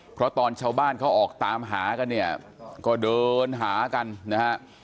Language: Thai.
เพราะตอนชาวบ้านเขาออกตามหากันเนี่ยก็เดินหากันนะฮะ